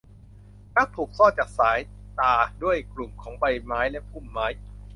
มันถูกซ่อนจากสายตาด้วยกลุ่มของใบไม้และพุ่มไม้